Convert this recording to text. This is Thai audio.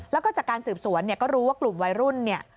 แล้วก็จากการสืบสวนเนี่ยก็รู้ว่ากลุ่มวัยรุ่นเนี่ย